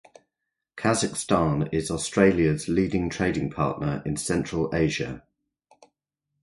Kazakhstan is Australia’s leading trading partner in Central Asia.